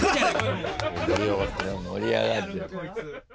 盛り上がってる。